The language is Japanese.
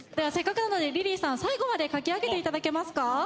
せっかくなのでリリーさん最後まで描き上げて頂けますか。